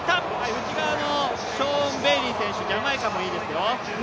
内側のショーン・ベイリー選手、ジャマイカもいいですよ。